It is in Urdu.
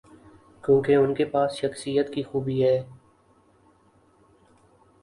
کیونکہ ان کے پاس شخصیت کی خوبی ہے۔